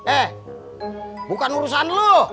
eh bukan urusan lo